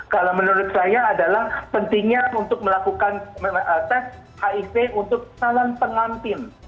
kalau menurut saya adalah pentingnya untuk melakukan tes hiv untuk calon pengantin